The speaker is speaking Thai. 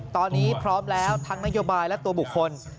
ตอนนี้พร้อมแล้วทั้งนโยบายและตัวบุคคล